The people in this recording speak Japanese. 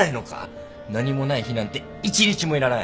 何もない日なんて一日もいらない